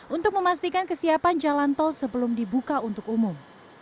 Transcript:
untuk memastikan kesiapan jalan tol sebelum dibuka untuk umum